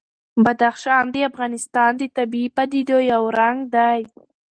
بدخشان د افغانستان د طبیعي پدیدو یو رنګ دی.